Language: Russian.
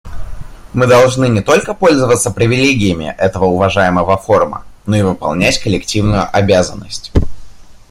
Мы должны не только пользоваться привилегиями этого уважаемого форума, но и выполнять коллективную обязанность.